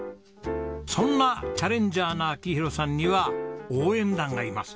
そんなチャレンジャーな明宏さんには応援団がいます。